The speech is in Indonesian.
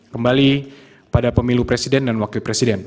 kembali pada pemilu presiden dan wakil presiden